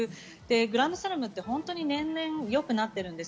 グランドスラムは本当に年々良くなっています。